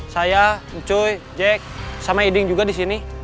saya coy jack sama eding juga di sini